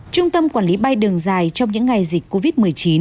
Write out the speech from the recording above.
trung tâm quản lý bay đường dài trong những ngày dịch covid một mươi chín